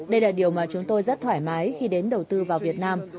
đây là điều mà chúng tôi rất thoải mái khi đến đầu tư vào việt nam